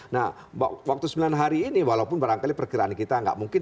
nah waktu sembilan hari ini walaupun barangkali perkiraan kita nggak mungkin